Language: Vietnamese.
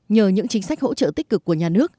nhờ những chính sách hỗ trợ tích cực của nhà nước